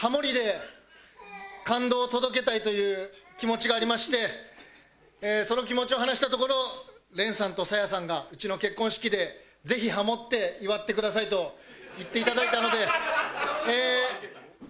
という気持ちがありましてその気持ちを話したところれんさんとさあやさんがうちの結婚式でぜひハモって祝ってくださいと言っていただいたのでええー。